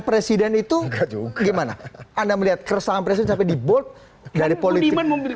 presiden itu gimana anda melihat keresahan presiden sampai dibuat dari politik menurut